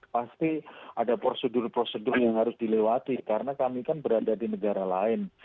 pasti ada prosedur prosedur yang harus dilewati karena kami kan berada di negara lain